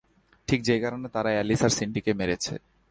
ঠিক যেই কারণে তারা এলিস, আর সিন্ডিকে মেরেছে।